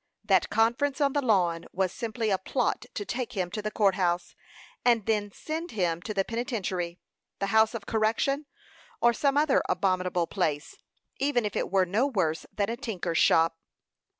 That conference on the lawn was simply a plot to take him to the court house, and then send him to the penitentiary, the house of correction, or some other abominable place, even if it were no worse than a tinker's shop.